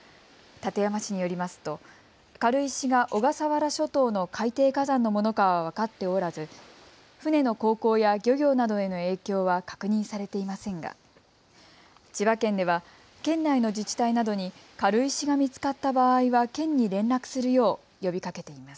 館山市によりますと軽石が小笠原諸島の海底火山のものかは分かっておらず船の航行や漁業などへの影響は確認されていませんが千葉県では県内の自治体などに軽石が見つかった場合は県に連絡するよう呼びかけています。